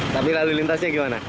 tapi lalu lintasnya gimana